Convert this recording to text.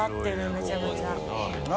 めちゃくちゃ。